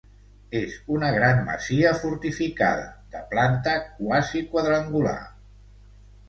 És una gran masia fortificada de planta quasi quadrangular.